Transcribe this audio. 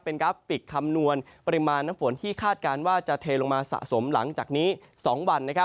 เป็นกราฟิกคำนวณปริมาณน้ำฝนที่คาดการณ์ว่าจะเทลงมาสะสมหลังจากนี้๒วัน